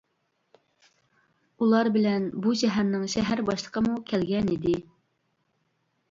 ئۇلار بىلەن بۇ شەھەرنىڭ شەھەر باشلىقىمۇ كەلگەنىدى.